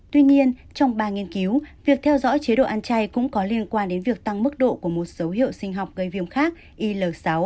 tuy nhiên trong ba nghiên cứu việc theo dõi chế độ ăn chay cũng có liên quan đến việc tăng mức độ của một dấu hiệu sinh học gây viêm khác il sáu